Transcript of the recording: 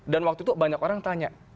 dan waktu itu banyak orang tanya